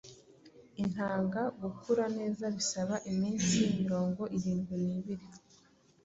Intanga gukura neza bisaba iminsi mirongo irindwi nibiri